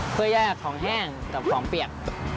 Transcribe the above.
เพื่อยากของแห้งกับของเปียก